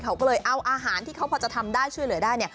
เขาก็เลยเอาอาหารที่เขาพอจะทำได้ช่วยเหลือได้